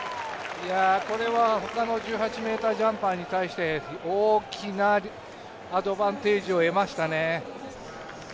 これは１８ｍジャンパーに対して大きなアドバンテージを得ましたね。